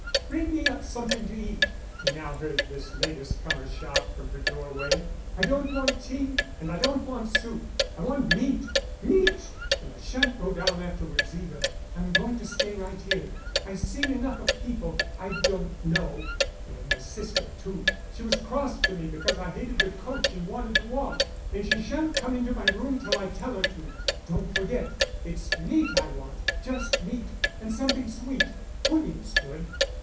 "Bring me up something to eat," he now heard this latest comer shout from her doorway. "I don't want tea and I don't want soup; I want meat, meat. And I shan't go down afterward, either. I'm going to stay right here. I've seen enough of people I don't know. And of my sister too. She was cross to me because I hated the coach and wanted to walk, and she shan't come into my room till I tell her to. Don't forget; it's meat I want, just meat and something sweet. Pudding's good."